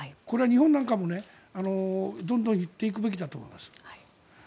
これは日本なんかも、どんどん言っていくべきだと思います。